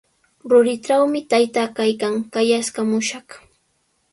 Ruritrawmi taytaa kaykan, qayaskamushaq.